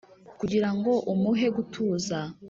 Kugira ngo umuhe gutuza